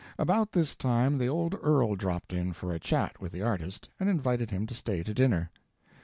About this time the old earl dropped in for a chat with the artist, and invited him to stay to dinner.